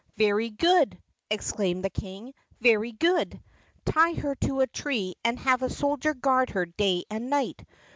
"Very good!" exclaimed the King. "Very good! Tie her to a tree and have a soldier guard her day and night.